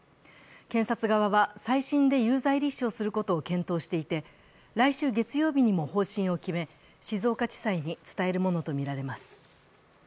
検察側は再審で有罪立証することを検討していて、来週月曜日にも方針を決め、静岡地裁に伝えるものとみられます。